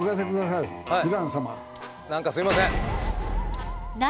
何かすいません。